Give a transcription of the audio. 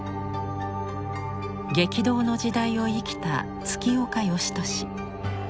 激動の時代を生きた月岡芳年。